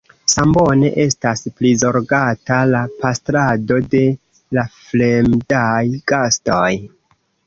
Sambone estas prizorgata la pastrado de la fremdaj gastoj.